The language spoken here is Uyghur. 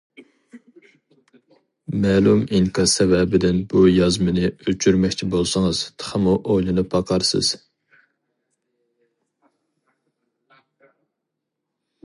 مەلۇم ئىنكاس سەۋەبىدىن بۇ يازمىنى ئۆچۈرمەكچى بولسىڭىز، تېخىمۇ ئويلىنىپ باقارسىز.